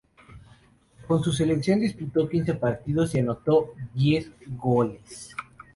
Con su selección disputó quince partidos y anotó diez goles.